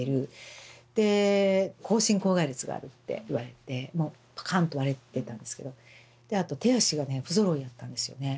で口唇口蓋裂があるって言われてもうパカンと割れてたんですけどであと手足がね不ぞろいやったんですよね。